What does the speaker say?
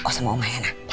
oh sama om hiana